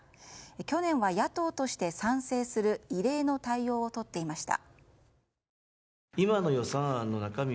去年は野党として賛成する異例の対応をとっていました。